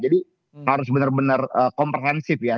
harus benar benar komprehensif ya